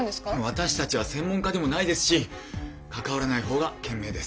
私たちは専門家でもないですし関わらない方が賢明です。